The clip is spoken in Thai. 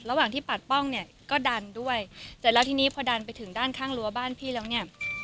ระหว่างที่ปัดป้องเนี่ยก็ดันด้วยเสร็จแล้วทีนี้พอดันไปถึงด้านข้างรั้วบ้านพี่แล้วเนี่ย